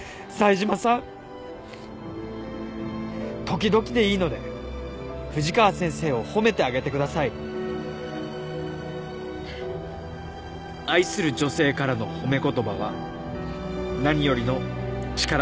時々でいいので藤川先生を褒めてあげてください」「愛する女性からの褒め言葉は何よりの力になります」